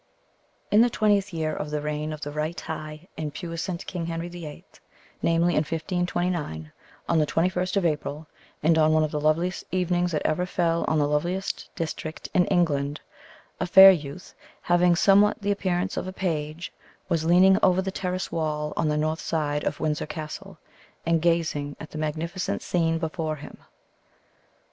In the twentieth year of the reign of the right high and puissant King Henry the Eighth, namely, in 1529, on the 21st of April, and on one of the loveliest evenings that ever fell on the loveliest district in England, a fair youth, having somewhat the appearance of a page, was leaning over the terrace wall on the north side of Windsor Castle, and gazing at the magnificent scene before him.